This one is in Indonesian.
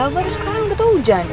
baru sekarang udah tahu hujan